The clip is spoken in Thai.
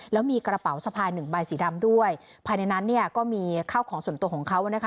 แล้วมีกระเป๋าสะพายหนึ่งใบสีดำด้วยภายในนั้นเนี่ยก็มีข้าวของส่วนตัวของเขานะคะ